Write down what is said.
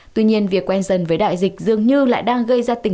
tuy nhiên việc quen dần với đại dịch dường như lại đang gây ra tình